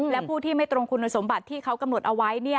และผู้ที่ไม่ตรงคุณสมบัติที่เขากำหนดเอาไว้